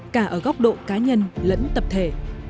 cả ở góc độ cá nhân lẫn tập thể